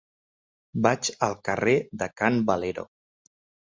Vaig al carrer de Can Valero.